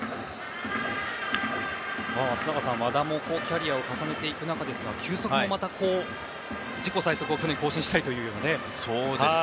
松坂さん、和田もキャリアを重ねていく中ですが球速もまた自己最速を去年更新したりというような。